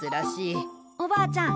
おばあちゃん。